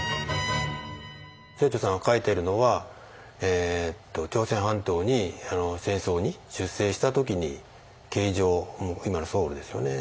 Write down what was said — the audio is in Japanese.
清張さんが書いてるのは朝鮮半島に戦争に出征した時に京城今のソウルですよね。